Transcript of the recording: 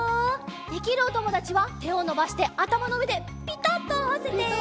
できるおともだちはてをのばしてあたまのうえでピタッとあわせて。